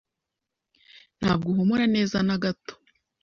Ntabwo uhumura neza na gato.